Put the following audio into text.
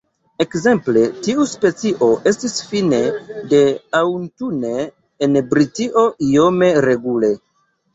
Ekzemple tiu specio estis fine de aŭtune en Britio iome regule.